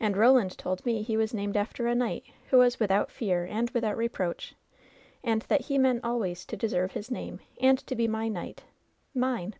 ^^And Roland told me he was named after a knight who was Without fear and without reproach,' and that he meant always to deserve his name, and to be my knight — ^mine."